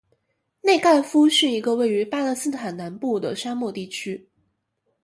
内盖夫是一个位于巴勒斯坦南部的沙漠地区。